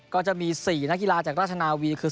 ก็จะมี๔นักกีฬาจากราชนาวีคือ